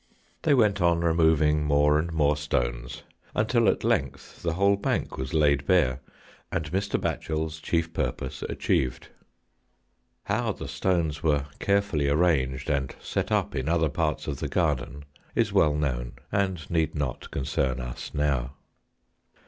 They went on removing more and more stones, until at length the whole bank was laid bare, and Mr. Batchel's chief purpose achieved. How the stones were carefully ar ranged, and set up in other parts of the garden, is well known, and need not concern us now.